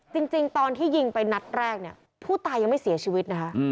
จริงตอนที่ยิงไปนัดแรกเนี่ยผู้ตายยังไม่เสียชีวิตนะคะ